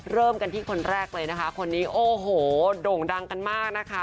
เริ่มกันที่คนแรกเลยนะคะคนนี้โอ้โหโด่งดังกันมากนะคะ